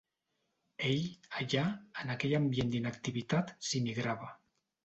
Ell, allà, en aquell ambient d'inactivitat, s'hi migrava.